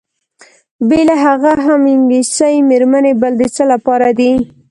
بېله هغه هم انګلیسۍ میرمنې بل د څه لپاره دي؟